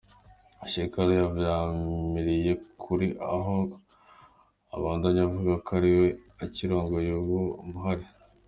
Shekau yavyamiriye kure aho abandanya avuga ko ari we akirongoye uwo muhari.